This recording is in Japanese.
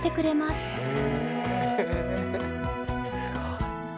すごい。